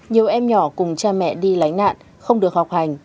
nhiều em nhỏ cùng cha mẹ đi lánh nạn không được học hành